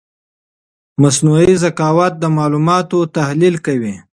مصنوعي ذکاوت د معلوماتو تحلیل کوي.